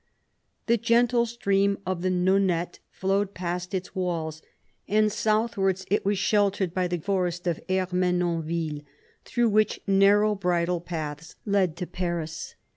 The gentle stream of the Nonette flowed past its walls, and southwards it was sheltered by the forest of iv BOUVINES 111 Ermenonville, through which narrow bridle paths led to Paris.